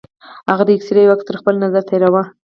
هغه د اکسرې يو عکس تر خپل نظره تېراوه.